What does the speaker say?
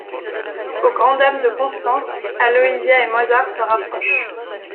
Au grand dam de Constance, Aloysia et Mozart se rapprochent.